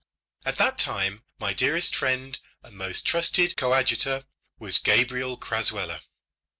At that time my dearest friend and most trusted coadjutor was Gabriel Crasweller.